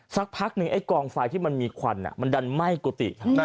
สักพักหนึ่งไอ้กองไฟที่มันมีควันมันดันไหม้กุฏิ